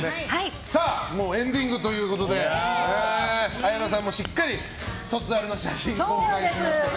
さあ、エンディングということで綾菜さんもしっかり卒アルの写真公開しましたね。